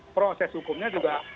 proses hukumnya juga